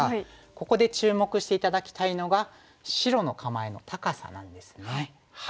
ここで注目して頂きたいのが白の構えの高さなんですね。